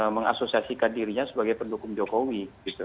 mengasosiasikan dirinya sebagai pendukung jokowi